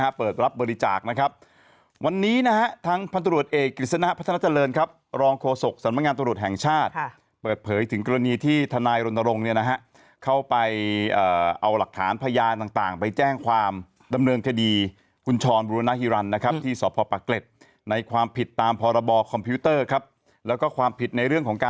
หรับบริจาคนะครับวันนี้นะฮะทางพันธุรกิจสนพันธนาจรรย์ครับรองโครศกสรรพงานตรวจแห่งชาติเปิดเผยถึงกรณีที่ท่านายลงหลงเนี่ยนะฮะเข้าไปเอาหลักฐานพยานต่างไปแจ้งความดำเนินคดีคุณชรบุรณฮิรันท์ที่สอบพปราเข็ดในความผิดตามพลคมพิวเตอร์ครับแล้วก็ความผิดในเรื่องของก